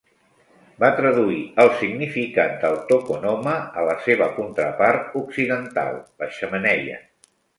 Va traduir el significat del "tokonoma" a la seva contrapart occidental: la xemeneia.